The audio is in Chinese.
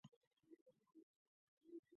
韩匡嗣第六子。